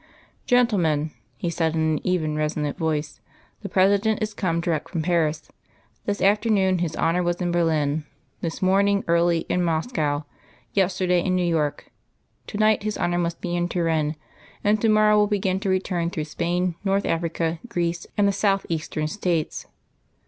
"Gentlemen," he said, in an even, resonant voice, "the President is come direct from Paris. This afternoon His Honour was in Berlin; this morning, early, in Moscow. Yesterday in New York. To night His Honour must be in Turin; and to morrow will begin to return through Spain, North Africa, Greece and the southeastern states."